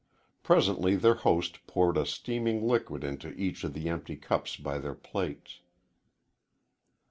Presently their host poured a steaming liquid into each of the empty cups by their plates.